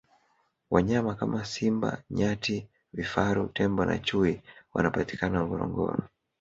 wanyama kama simba nyati vifaru tembo na chui wanapatikana ngorongoro